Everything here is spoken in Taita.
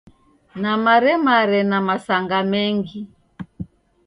Namaremare na masanga mengi.